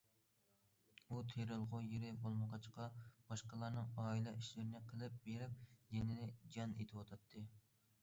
ئۇ تېرىلغۇ يېرى بولمىغاچقا، باشقىلارنىڭ ئائىلە ئىشلىرىنى قىلىپ بېرىپ، جېنىنى جان ئېتىۋاتاتتى.